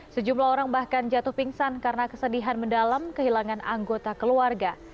sejumlah orang bahkan jatuh pingsan karena kesedihan mendalam kehilangan anggota keluarga